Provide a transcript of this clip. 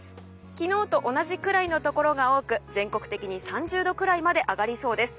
昨日と同じくらいのところが多く全国的に３０度くらいまで上がりそうです。